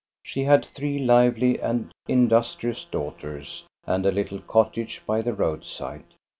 She had three lively and industrious daughters and a little cottage by the roadside.